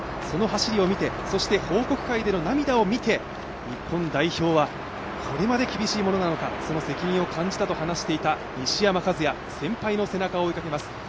その走りを見てそして報告会での涙を見て日本代表はこれまで厳しいものなのかその責任を感じたと話していた西山和弥、先輩の背中を追いかけます。